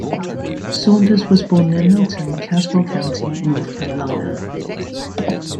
Saunders was born near Milton, Caswell County, North Carolina.